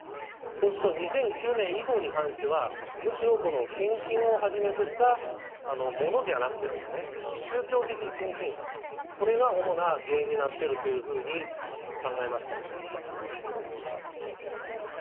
そうすると、２００９年以後に関しては、むしろ献金をはじめとした物じゃなくて、宗教的献金、これが主な原因になっているというふうに考えました。